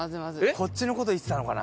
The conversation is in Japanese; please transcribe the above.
こっちの事言ってたのかな？